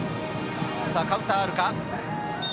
カウンターはあるか？